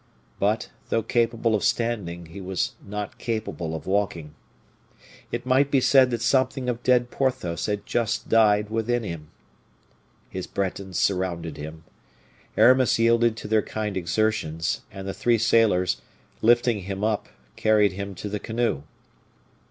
But, though capable of standing, he was not capable of walking. It might be said that something of dead Porthos had just died within him. His Bretons surrounded him; Aramis yielded to their kind exertions, and the three sailors, lifting him up, carried him to the canoe.